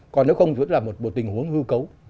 còn nếu không vẫn là một tình huống hư cấu